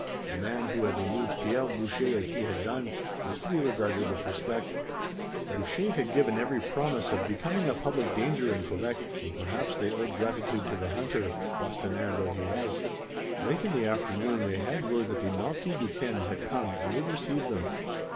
A man who had removed Pierre Boucher as he had done, was to be regarded with respect. Boucher had given every promise of becoming a public danger in Quebec, and perhaps they owed gratitude to the hunter, Bostonnais though he was. Late in the afternoon they had word that the Marquis Duquesne had come and would receive them.